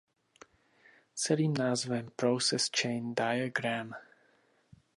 Celým názvem Process Chain Diagram.